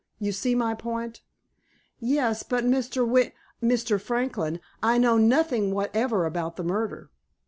You see my point?" "Yes, but Mr. Win—Mr. Franklin, I know nothing whatever about the murder."